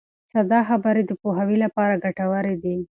ساده خبرې د پوهاوي لپاره ګټورې دي.